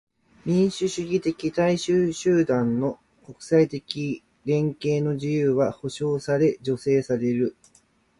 民主主義的大衆団体の国際的連携の自由は保障され助成される。